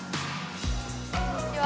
こんにちは。